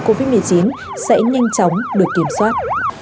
covid một mươi chín sẽ nhanh chóng được kiểm soát